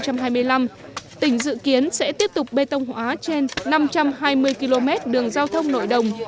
từ năm hai nghìn hai mươi một đến hai nghìn hai mươi năm tỉnh dự kiến sẽ tiếp tục bê tông hóa trên năm trăm hai mươi km đường giao thông nội đồng